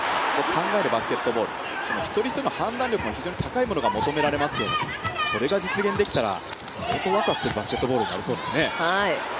考えるバスケットボール一人一人の判断力も非常に高いものを求められますけどそれが実現できたら相当わくわくするバスケットボールになりそうですね。